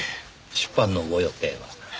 出版のご予定は？